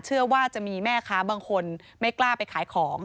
เชื่อว่าจะมีแม่ค้าบางคนไม่กล้าไปขายของ